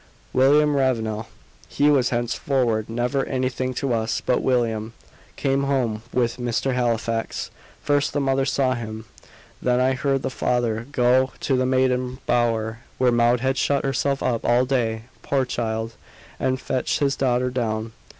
William Ravenel he was henceforward never anything to us but William came home with Mr. Halifax. First, the mother saw him; then I heard the father go to the maiden bower where Maud had shut herself up all day poor child! and fetch his daughter down.